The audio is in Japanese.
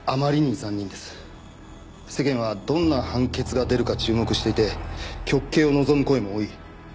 世間はどんな判決が出るか注目していて極刑を望む声も多い。